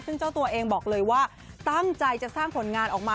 ซึ่งเจ้าตัวเองบอกเลยว่าตั้งใจจะสร้างผลงานออกมา